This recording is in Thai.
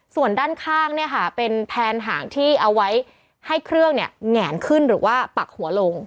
ส่วนด้านข้างเป็นแผนหางที่เอาไว้ให้เครื่องแงนขึ้นหรือว่าปักหัวลง